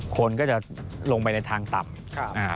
คนก็จะลงไปในทางต่ำ